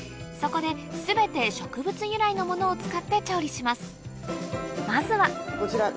そこで全て植物由来のものを使って調理します